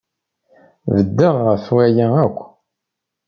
Bɛed ɣef waya akk!